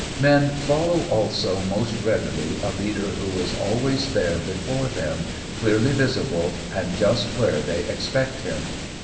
Men follow also most readily a leader who is always there before them, clearly visible and just where they expect him.